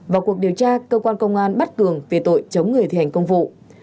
vào cuộc điều tra cơ quan công an bắt cường về tội chống người thi hành công vụ